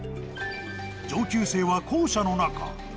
上級生は校舎の中。